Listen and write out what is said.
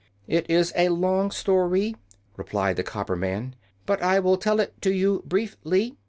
"It is a long sto ry," replied the copper man; "but I will tell it to you brief ly.